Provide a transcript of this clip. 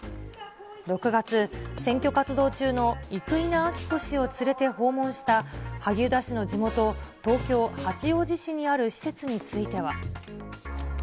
６月、選挙活動中の生稲晃子氏を連れて訪問した萩生田氏の地元、東京・八王子市にある施設については。